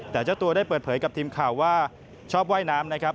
แต่เจ้าตัวได้เปิดเผยกับทีมข่าวว่าชอบว่ายน้ำนะครับ